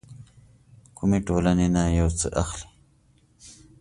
کومې ټولنې نه يو څه اخلي.